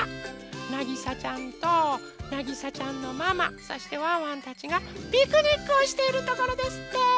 なぎさちゃんとなぎさちゃんのママそしてワンワンたちがピクニックをしているところですって。